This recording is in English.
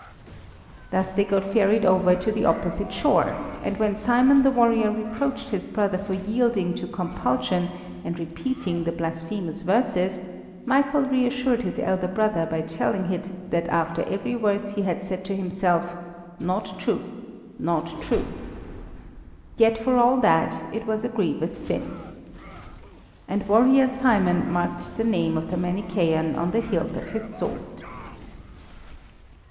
Thus they got ferried over to the opposite shore; and when Simon the warrior reproached his brother for yielding to compulsion and repeating the blasphemous verses, Michael reassured his elder brother by telling him that after every verse he had said to himself: "Not true, not true." Yet for all that it was a grievous sin. And warrior Simon marked the name of the Manichæan on the hilt of his sword.